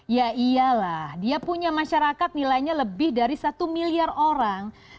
ya iyalah dia punya masyarakat nilainya lebih dari satu miliar orang